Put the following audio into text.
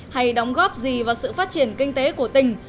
hay đóng góp gì vào sự phát triển kinh tế của tỉnh